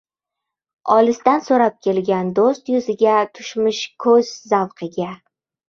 Olisdan so‘rab kelgan do‘st yuziga tushmish ko‘z zavqiga